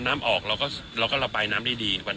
น้ำออกเราก็ระบายน้ำได้ดีกว่า